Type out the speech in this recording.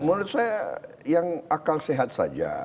menurut saya yang akal sehat saja